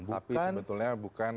tapi sebetulnya bukan